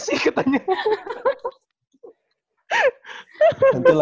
nanti yang negeri tuh ini siapa sih ketanyaannya